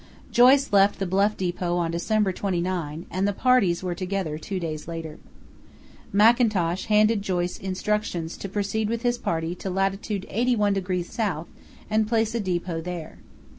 Joyce left the Bluff depot on December 29, and the parties were together two days later. Mackintosh handed Joyce instructions to proceed with his party to lat. 81° S and place a depot there.